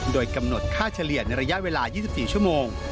โดยกำหนดค่าเฉลี่ยในระยะเวลา๒๔ชั่วโมง